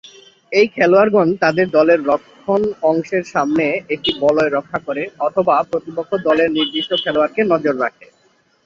এই খেলোয়াড়গণ তাদের দলের রক্ষণ অংশের সামনে একটি বলয় রক্ষা করে অথবা প্রতিপক্ষ দলের নির্দিষ্ট খেলোয়াড়কে নজরে রাখে।